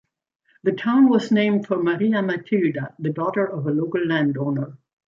The town was named for Maria Matilda, the daughter of a local landowner.